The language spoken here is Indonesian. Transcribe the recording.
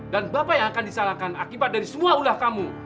dan bapak yang akan disalahkan akibat dari semua ulah kamu